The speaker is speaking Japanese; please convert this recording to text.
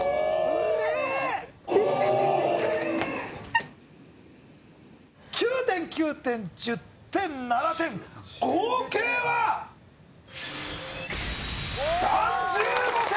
ウソ９点９点１０点７点合計は３５点！